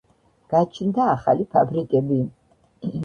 გაჩნდა ახალი ფაბრიკები.